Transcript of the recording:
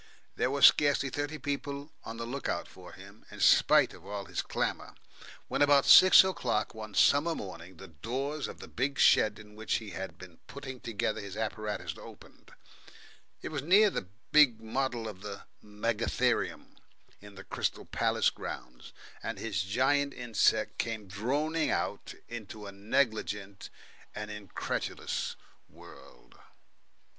There were scarcely thirty people on the look out for him, in spite of all his clamour, when about six o'clock one summer morning the doors of the big shed in which he had been putting together his apparatus opened it was near the big model of a megatherium in the Crystal Palace grounds and his giant insect came droning out into a negligent and incredulous world.